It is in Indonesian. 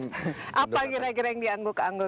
apa kira kira yang diangguk angguk